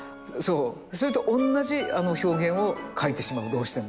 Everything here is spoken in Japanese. それと同じ表現を描いてしまうどうしても。